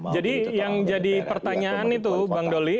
jadi yang jadi pertanyaan itu bang dali